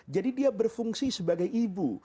jadi dia berfungsi sebagai ibu